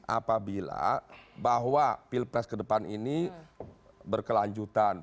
apabila bahwa pilpres ke depan ini berkelanjutan